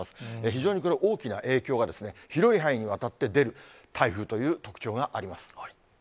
非常にこれ、大きな影響が広い範囲にわたって出る台風という特徴があります。